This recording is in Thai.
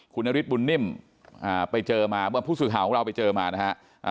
คุณนฤทธบุญนิ่มไปเจอมาเมื่อผู้สื่อข่าวของเราไปเจอมานะฮะ